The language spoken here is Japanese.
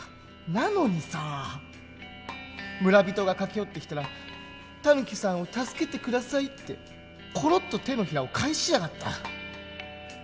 なのにさ村人が駆け寄ってきたら「タヌキさんを助けて下さい」ってコロッと手のひらを返しやがった。